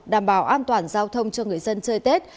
đảm bảo an toàn giao thông cho người dân chơi tết